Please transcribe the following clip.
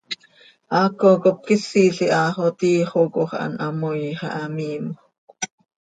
Haaco cop quisil iha xo tiix oo coox an hamoii xah hamiimjöc.